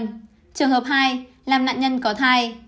trường hợp hai làm nạn nhân có thai